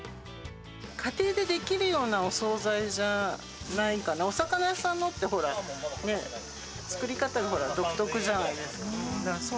家庭で出来るようなお総菜じゃないかな、お魚屋さんのって、ほら、作り方が、ほら、独特じゃないですか。